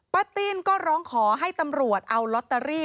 ติ้นก็ร้องขอให้ตำรวจเอาลอตเตอรี่